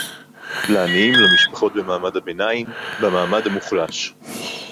לעניים, למשפחות במעמד הביניים, במעמד המוחלש